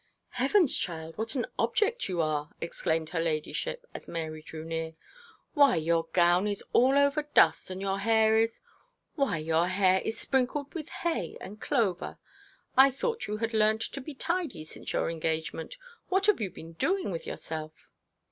'Heavens! child, what an object you are;' exclaimed her ladyship, as Mary drew near. 'Why, your gown is all over dust, and your hair is why your hair is sprinkled with hay and clover. I thought you had learnt to be tidy, since your engagement. What have you been doing with yourself?'